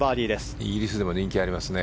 イギリスでも人気がありますね。